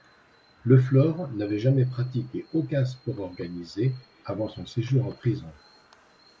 LeFlore n'avait jamais pratiqué aucun sport organisé avant son séjour en prison.